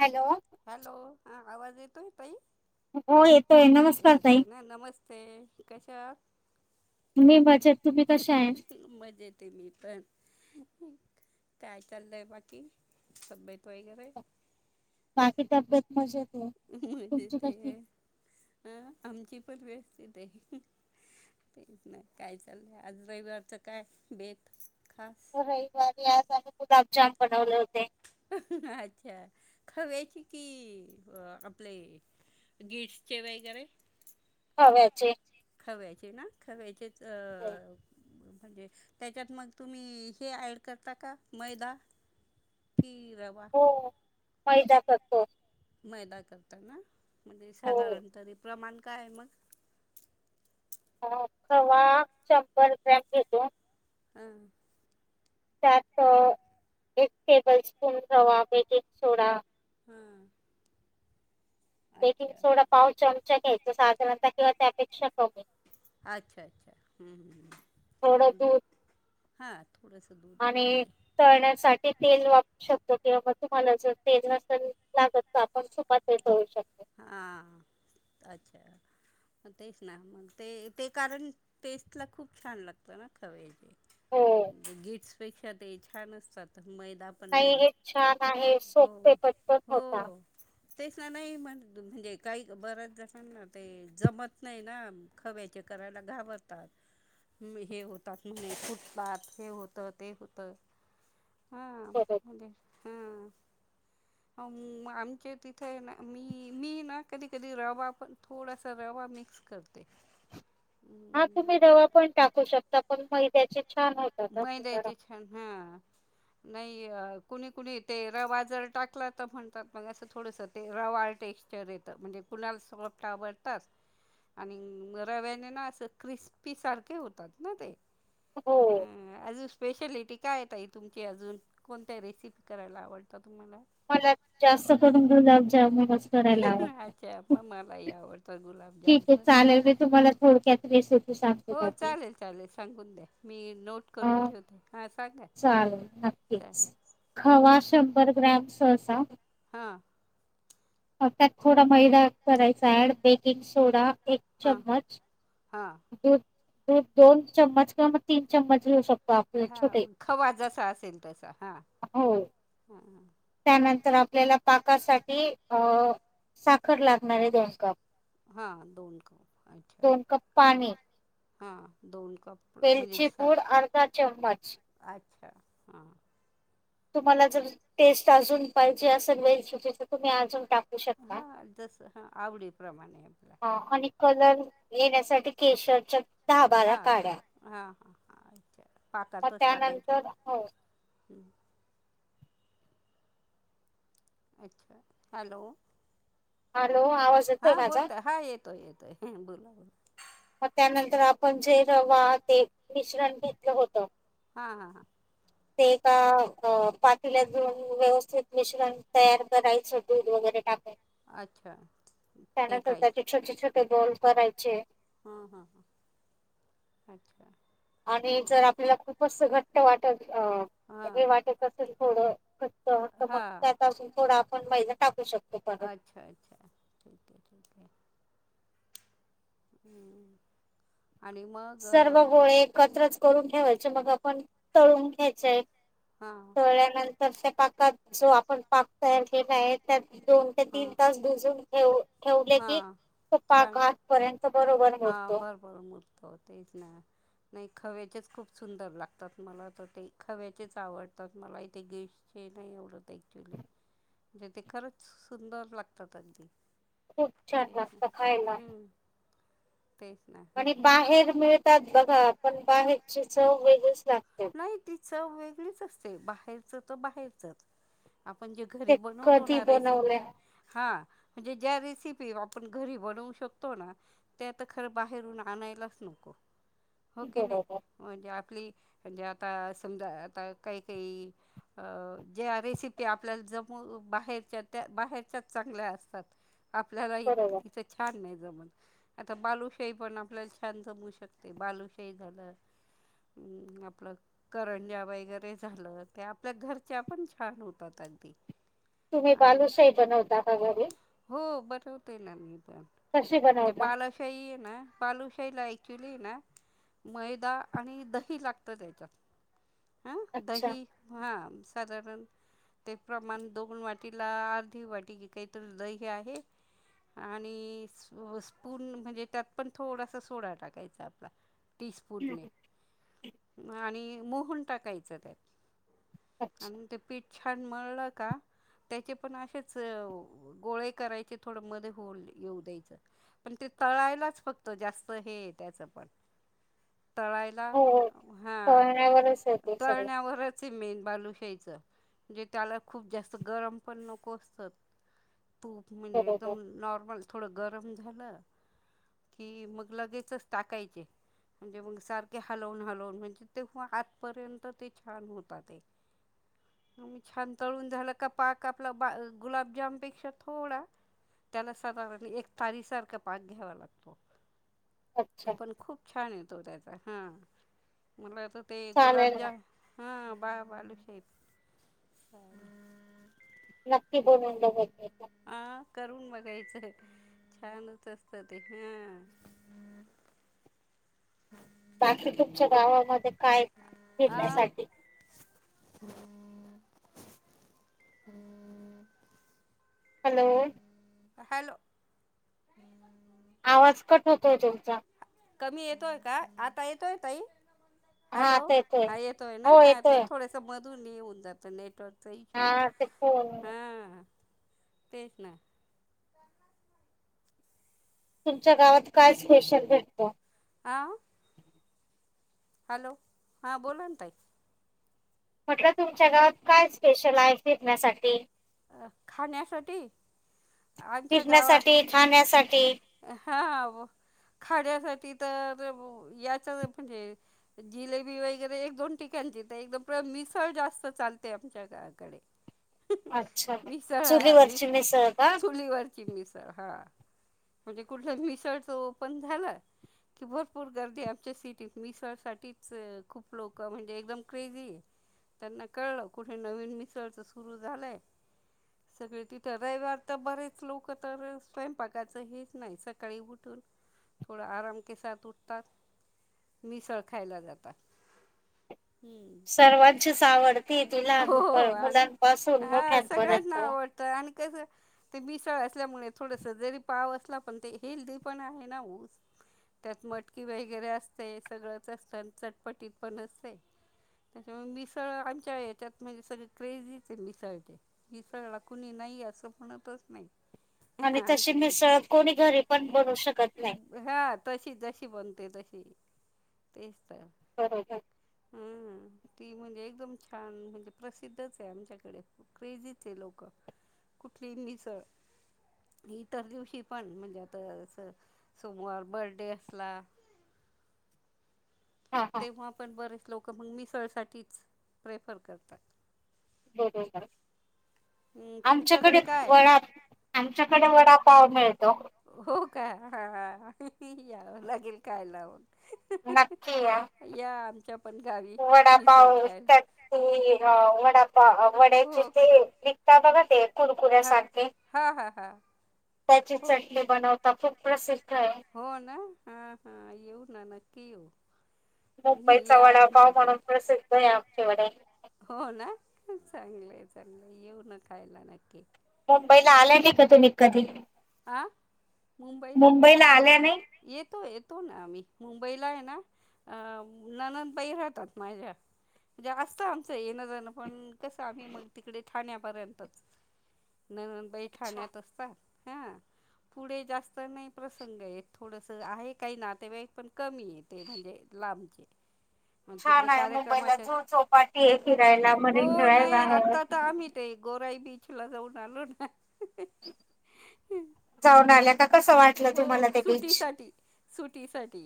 Hello hello हा आवाज येतोय तई हो येतोय नमस्कार ताई. येतोय ना नमस्ते कशा मी माझ्या मज्जा येते मी पण काय चाललंय बाकी तब्येत वगैरे बाकी तब्येत मजेत आहे. तुमची मजेत कशी? अ आमची पण व्यवस्थित आहे ते नाही काय चाललंय आज रविवारचं काय भेत रविवारी आज आम्ही गुलाबजाम बनवले होते अच्छा खव्याची कि आपले गीट्स चे वगैरे खव्याचे खव्याचे ना खव्याचेच अ म्हणजे त्याच्यात मग तुम्ही हे ऍड करता का मैदा की रवा फायदा करतो मैदा करताना म्हणजे हो साधारणतरी प्रमाण काय मग ह खवा शंभर रुपया किलो घेतो हम त्यात एक टेबल स्पून रवा बेकिंग सोडा हां बेकिंग अच्छा सोडा पाव चमचा घ्यायचा साधारणतः किंवा त्या पेक्षा कमी अच्छा अच्छा हम्म हम्म् थोडं म्हणजे दूध हा थोडस दूध म्ह ते तेल वापरू शकतो किंवा मग तुम्हाला जर तेल नसेल लागत तर आपण सुपात ते तळू शकतो [inaudible] हां अच्छा तेच ना मग ते ते कारण टेस्ट ला खूप छान लागत ना हो खव्याचे गिट्स पेक्षा ते छान असतात मैदा पण नाही हे छान आहे हो सोपे पटपट होता हो तेच ना नाही म्हणजे काही बर्याच जनाना ते जमत नाही ना खव्याचे करायला घाबरतात हे होतात म्हणे फुटतात हे होत ते होत हा बरोबर हा आमच्या तिथे ना मी मी ना कधी कधी रवा पण थोडासा रवा मिक्स करते हा अं तुम्ही रवा पण टाकू शकता पण मैद्याची मैद्याचे छान हा नाही कुणी कुणी ते रवा जर टाकला तर म्हणतात मग असं थोडंसं ते रवा टेक्स्चर येतं म्हणजे कुणाला सगळं आवडतात आणि रव्याने ना असं क्रिस्पी सारखे होतात ना ते हो अ अजून स्पेशलिटी काय ये ताई तुमची अजून कोणत्या रेसिपी करायला आवडतात मला जास्त करून गुलाबजामुन अच्छा पण मलाही आवडतं गुलाब ठीक आहे चालेल मी तुम्हाला थोडक्यात रेसिपी सांगते हो त्याची. चालेल चालेल सांगून द्या मी नो नोट करून हा ठेवते हा सांगा चालेल नक्कीच. खवा हां शंभर ग्राम सहसा ह त्यात थोडा मैदा करायचा ऍड बेकिंग सोडा एक हां चमच हां दूध दूध दोन चमच किंवा मग तीन चमच घेऊ शकतो आपले हा छोटे खवा जसा असेल तसा हा हा तर आपल्याला पाकासाठी अ साखर लागणारे दोन कप दोन कप पाणी [unintelligible] म्हणजे वेलची पूड अर्धा चमच अ आ तुम्हाला जर टेस्ट अजून पाहिजे असेल वेल तर तुम्ही अजून टाक हा जस हा आवडीप्रमाणे आपला हा आणि कलर येण्यासाठी केशरच्या धा बारा हां काढ्या पाककातच टाकाय त्यानंतर पना हो हॅलो हॅलो आवाज येतोय हा माझा बोलकी हा येतोय येतोय बोला बला मग त्यानंतर आपण जे रवा ते मिश्रण घेतलं होतं हा हा हां ते का पातील्यात व्यवस्थित मिश्रण तयार करायचं दूध वगैरे टाक अच्छा फेटायच ते गोल करायचे हा हा ह अच्छा आणि जर आपल्याला खूपच घट्ट वाटत हां हे वाटत असेल थोडं फक्त तर मग हां त्यातून थोडा आपण महिना टाकू शकतो परत अच्छा अच्छा ठीक आहे ठीक आहे [unintelligible] मग सर्व गोळे एकत्रच करून ठेवायचे मग आपण तळून घ्यायचे. हां चोळ्यानंतर त्या पाकात जो आपण पाक तयार केला आहे त्या. दोन ते तीन हां तास भिजून ठेऊं ठेवले की हां तो पाक छान आातपर्यंत बरोबर हां मोरतो बरं [unintelligible] नाही खव्याचेच खूप सुंदर लागतात मला तर ते खव्याचेच आवडतात मला इथे गे हे नाही एवडते खरंच सुंदर लागतात अगदी खूप छान तेच ना लागत खायला. हम्म तेच ना आणि बाहेर मिळतात बघा पण बाहेरची चव वेग नाही ती च वेगळीच असते बाहेरच तर बाहेरच. आपण जे घरी ते बनवतो कधी ना बनवले रेसिपी हा. म्हणजे ज्या रेसिपी आपण घरी बनवू शकतो ना त्या खर बाहेरून आणायलाच. नको [unintelligible] हो कि नाही बरोबर म्हणजे आपली म्हणजे आता समजा आता काही काही अ ज्या रेसिपी आपल्याला जम बाहेरच्या त्या बाहेरच्याच चांगल्या असतात आपल्याला इ बरोबर इथं छान ना आता बालुशाही पण आपल्याला छान जमू शकते बालुशाही झालं. अं, [unintelligible] आपलं करंजा वगैरे झालं ते आपल्या घरच्या पण छान होतात अगदी तुम्ही आणि बालूसही बनवता का घरी. हो बनवतोना मी कशी म्हणजे बनवता बालाशाही आहे ना बालूशाहीला ऍक्च्युली ना मैदा आणि दही लागत त्याच्यात. हं अच्छा दही हा साधारण ते प्रमाण दोन वाटीला अर्धी वाटी काहीत दही घ आहे. आणि स्पून म्हणजे त्यात पण थोडासा सोडा टाकायचा आपला. ती स्पूट न आणि मोहन टाकायचं त्यात.. अच्छा आणि ते पिठ. छान मळल का त्याचे पण असेच गोळे. करायचे थोड मध्ये हो येऊ द्यायच पण ते तळायलाच फक्त जास्त हे त्याच पण. [unintelligible] तळायला हो हो. हा तळण्यावरच आहे ते सगळं तळल्यावर मेन बालूशाहीच म्हजे त्याला खूप जास्त गरम पण नको असत. तूप म्हणजे बरोबर एकदम नॉर्मल थोडं गरम झालं. कि मग लगेचच टाकायचे. म्हणजे मग सारखे हलवून हलवून ते नंतर छान होतात. छान तळून झालं का पाक आपला गुलाब जामूत थोडा त्याला एक तारीसारखा पाक घ्यावा लागतो. पण अच्छा कलर खूप छान येतो त्याचा हा मला. तर ते चालेल गुलाबज ना हा. बालुशाही. क [unintelligible] हा करून बघायचंय. छानच असत ते हा [unintelligible] बाकी तुमच्या गावामध्ये काय हा हा फिरण्यासाठी. हम्म हॅलो. हॅलो. आवाज कट होतो तुमचा. कमी येतोय का आता येतोय तई. हा हॅलो आता हा येतोय ना हो हा ते येतोय थोडस मधून मधून नेटवर्क जातं. त हा ते फोन हा तेच ना. तुमच्या गावात काय स्पेशल भेटतं. आह. हॅलो हा बोला ना ताई. म्हटलं तुमच्या गावात काय स्पेशल आहे फिरण्यासाठी. खाण्यासाठी. आमच्या गावा फिरण्यासाठी खाण्यासाठी हा खाण्यासाठी. तर. या म्हणजे जिलेबी वगैरे एक दोन ठिकाणची एकदम मिसळ जास्त चालतं. चालते आमच्याकडे. [unintelligible] मिसळ ह मि चुलीवरची मिसळ का चुलीवरची मिसळ हा. म्हणजे मिसळ ओपण झालं. कि भरपूर गर्दी आमच्या सिटीत मिसळ साठीच खूप लोक म्हणजे एकदम क्रेझी आहे. त्यांना कळलं कुठे नवीन मिसळच सुरू झालंय. [inaudible] रविवारी तर बरेच लोक सकाळी स्वयंपाक च होत नाही मिसळ खायला जातात थोडा आराम के साथ उठतात मिसळ खायला जातात. हम्म सर्वांचीच आवडती ती हो लहान हो आणि मुलांपासून हा मोठ्या. सगळ्यांना आवडतं आणि. स ते मिसळ असल्यामुळे थोड स जरी पाव असला पण ते हेल्दी पण आहे ना ऊस. त्यात मटकी वगैरे असते सगळंच असत चटपटीत पण असते. त्याच्यामुळे मिसळ आमच्या याच्यात म्हणजे सगळे क्रेझीच मिसळचे इसळला कुणी नाही असं म्हणतच नाही आणि तशी आमच्यात मिसळत कोणी घरी पण बनू शकत नाही ते तशी तेच बरोबर ह ती म्हणजे एकदम छान म्हणजे प्रसिद्धच आहे आमच्याकडे खूप क्रेजीचे आहे लोक कुठली निसळ इतर दिवशी पण म्हणजे आता सोमवार बर्थडे असला [inaudible] हा हा तेव्हा पण बरेच लोक मग मिसळ साठीच प्रेफर करतात बरोबर हम्म आमच्याकडे तुमच्याकडे काय वड आमच्याकडे वडापाव मिळतो हो का हा यावं लागेल काय लावून नक्की या आमच्या पण गावी मिसळ वडापाव खायला शती अ वडापाव वड्याचे हो ते का निघता बघा ते हा कुरकुऱ्यासारखे हा हा हा त्याची हो चटणी बनवता खूप प्रसिद्ध आहे हो ना हा हा येऊ ना नक्की येऊ तुम्ही मुंबईचा या वडा भाव आमच्याकडे म्हणून प्रसिद्ध आहे आमच्या वडे हो ना चांगलंय चांगलं येऊ न खायला नक्की मुंबईला आला नाही का तुम्ही कधी ह मुंबईला मुबई आल्या नाही आ येतो तू ना आम्ही मुंबईला आहे ना अ ननंदबाई राहतात माझ्या म्हणजे असतं आमचं ये न जण पण कस आम्ही मग तिकडे ठाण्यापर्यंतच न बैठाण्यात असतात हां [inaudible] पुढे जास्त नाही प्रसंग येत थोडस आहे काही ना ते वेळ पण कमी येते म्हणजे लामचेे छान आहे मोबाईलला झू चौपाटी आहे फिरायला मरीन ड्राईव आहे पय भछेला जाऊ नालो ना जाऊन आल्या का कसं वाटलं तुम्हाला हो ते बीच सुटीसाठी सुटीसाठी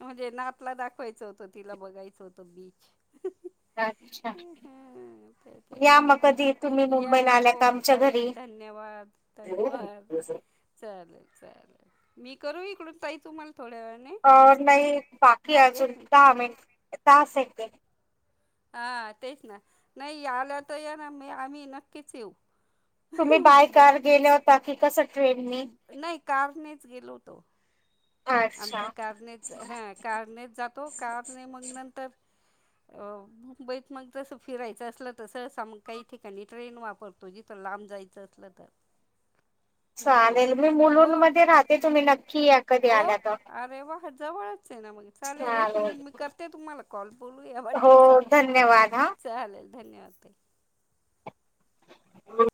म्हणजे नातला दाखवायचं होतं तिला बघायचं होतं बीच अच्छा हम्म, या मग कधी तुम्ही या मुंबईला आल्या का हो आमच्या घरी. तई धन्यवाद धन्यवाद चालेल चालेल मी करू इकडून पा तुम्हाला थोड्या वेळाने अ नाही बाकी नाही एक अजून मिनिट दहा मिनट दहा सेकंड हा तेच ना नाही आल्या तर या ना म आम्ही नक्कीच येऊ तुम्ही बाय कार मुंबईत गेल्या होता की कस ट्रेल नाही कारनेच गेलोतो आमच्या अच्छा कारनेत हा कारनेत जातो कारणे मग नंतर [inaudible] मुंबईत मग जस फिरायचं असलं तसम काही ठिकाणी ट्रेन वापरतो जिथं लांब जायचं असलं तर चालेल मी हम्म मुलूं हो मध्ये राहते तुम्ही नक्की या कधी हो आल्या तर. अरे वा जवळच ना मग चालेल एक मिनिट मी करते तुम्हाला कॉल बोलूया हो वाटल्याच आपण धन्यवाद हा. चालेल धन्यवाद हो